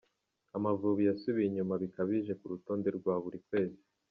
Amavubi yasubiye inyuma bikabije ku rutonde rwburi kwezi